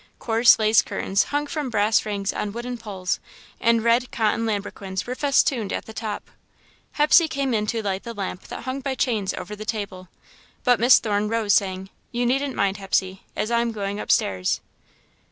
Coarse lace curtains hung from brass rings on wooden poles, and red cotton lambrequins were festooned at the top. Hepsey came in to light the lamp that hung by chains over the table, but Miss Thorne rose, saying: "You needn't mind, Hepsey, as I am going upstairs."